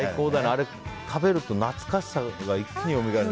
あれを食べると懐かしさが一気によみがえる。